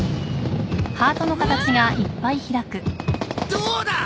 どうだ！